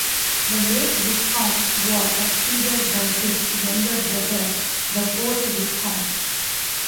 The late Viscount was succeeded by his younger brother, the fourth Viscount.